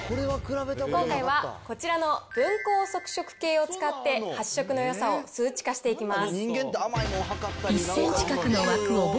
今回は、こちらの分光測色計を使って、発色のよさを数値化していきます。